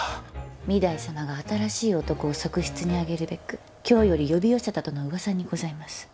御台様が新しい男を側室に上げるべく京より呼び寄せたとの噂にございます。